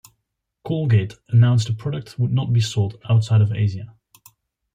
Colgate announced the product would not be sold outside of Asia.